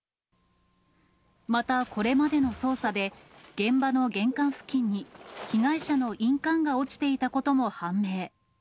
また、これまでの捜査で、現場の玄関付近に、被害者の印鑑が落ちていたことも判明。